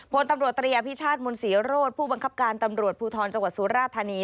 พลตำรวจตรีอภิชาติมนศรีโรธผู้บังคับการตำรวจภูทรจังหวัดสุราธานี